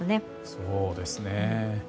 そうですね。